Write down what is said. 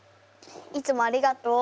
いつもありがとう。